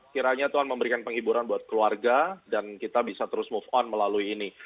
kiranya tuhan memberikan penghiburan buat keluarga dan kita bisa terus move on melalui ini